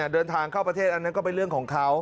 เดินทางเข้าประเทศอันนั้นก็เป็นเรื่องของเขา